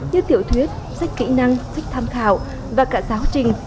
như tiểu thuyết sách kỹ năng sách tham khảo và cả giáo trình